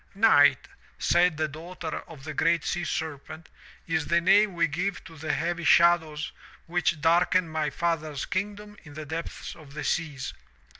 " 'Night,' said the daughter of the GREAT SEA SERPENT, *is the name we give to the heavy shadows which darken my father's kingdom in the depths of the seas.